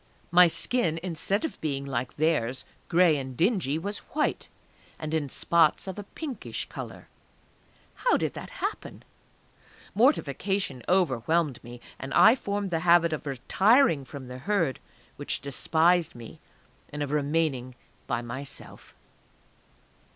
_ My skin instead of being like theirs, gray and dingy, was white, and in spots of a pinkish colour.... How did that happen? Mortification overwhelmed me. And I formed the habit of retiring from the Herd which despised me, and of remaining by myself.